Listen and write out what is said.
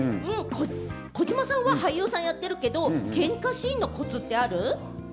児嶋さんは俳優さんやってるけれども、けんかシーンのコツってある？